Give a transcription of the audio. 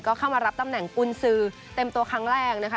ก็เข้ามารับตำแหน่งกุญสือเต็มตัวครั้งแรกนะคะ